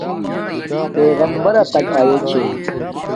پݵغمبرݳ کتݵَک آئݺ چھݺ؟